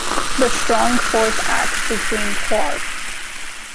The strong force acts between quarks.